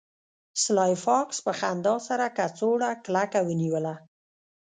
سلای فاکس په خندا سره کڅوړه کلکه ونیوله